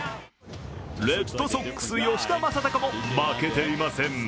レッドソックス・吉田正尚も負けていません。